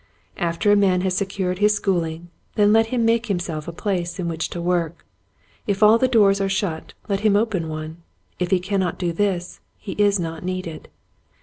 After a man has secured his schooling then let him make himself a place in which to work. If all the doors are shut let him open one. If he cannot do this he is not needed.